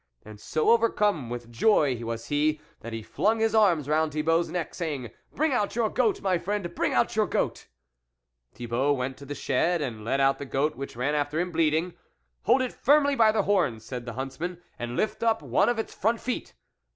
" And so overcome with joy was he, that he flung his arms round Thibault's neck, saying, " Bring out your goat, my friend ! bring out your goat !" Thibault went to the shed and led out the goat, which ran after him bleating. " Hold it firmly by the horns," said the huntsman, " and lift up one of its front feet."